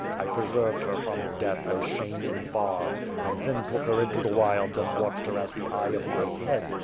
I preserved her from death and shame in Bar, and then took her into the wilds and watched her as the eye of my head.